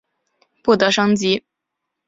不得升级。